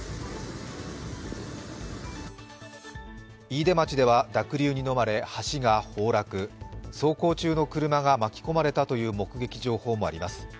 飯豊町では濁流にのまれ、橋が崩落走行中の車が巻き込まれたという目撃情報もあります。